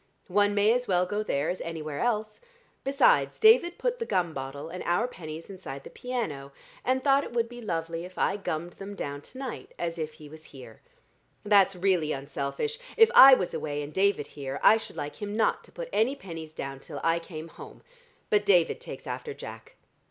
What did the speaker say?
One may as well go there as anywhere else. Besides, David put the gum bottle and our pennies inside the piano, and thought it would be lovely if I gummed them down to night, as if he was here. That's really unselfish: if I was away and David here, I should like him not to put any pennies down till I came home. But David takes after Jack.